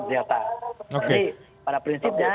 delta jadi pada prinsipnya